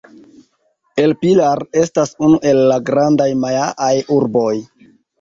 El Pilar estas unu el la grandaj majaaj urboj.